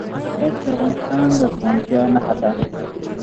هندوکش د افغانستان د زرغونتیا نښه ده.